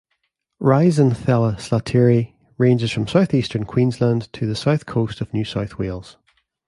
"Rhizanthella slateri" ranges from southeastern Queensland to the south coast of New South Wales.